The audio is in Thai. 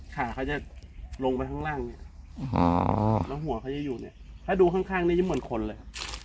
ขาเขาจะลงลงหัวจะอยู่นี่ตะดูข้างก็เหมือนคนเลย